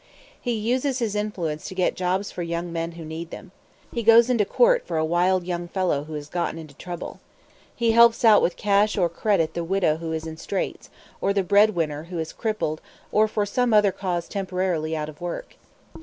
He uses his influence to get jobs for young men who need them. He goes into court for a wild young fellow who has gotten into trouble. He helps out with cash or credit the widow who is in straits, or the breadwinner who is crippled or for some other cause temporarily out of work.